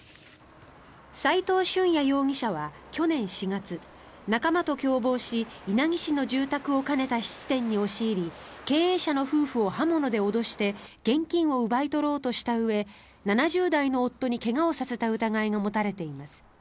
斎藤瞳弥容疑者は去年４月仲間と共謀し稲城市の住宅を兼ねた質店に押し入り経営者の夫婦を刃物で脅して現金を奪い取ろうとしたうえ７０代の夫に怪我をさせた疑いが持たれています。